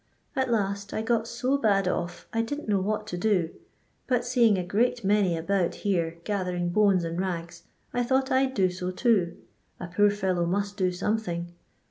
At last, 1 got so bad off I didn't know what to do ; but seeing a great many about here gathering bones and rags, I thought I *d do so too — a poor fellow must do something.